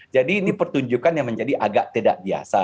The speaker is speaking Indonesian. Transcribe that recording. jadi ini pertunjukan yang menjadi agak tidak biasa